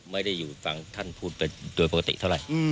ไม่ได้อยู่ฟังท่านพูดแบบด้วยปกติเท่าไรอืม